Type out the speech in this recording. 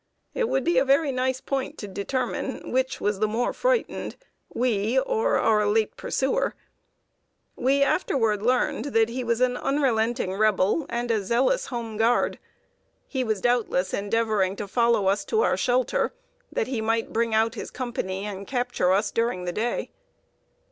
It would be a very nice point to determine which was the more frightened, we or our late pursuer. We afterward learned that he was an unrelenting Rebel and a zealous Home Guard. He was doubtless endeavoring to follow us to our shelter, that he might bring out his company, and capture us during the day.